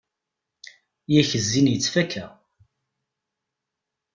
Yak zzin yettfakka.